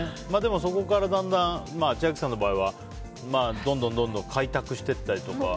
そこからだんだん千秋さんの場合はどんどん開拓していったりとか。